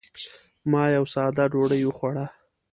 ما یوه ساده ډوډۍ وخوړه.